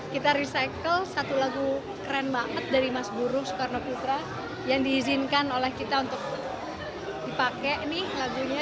kita recycle satu lagu keren banget dari mas buruh soekarno putra yang diizinkan oleh kita untuk dipakai nih lagunya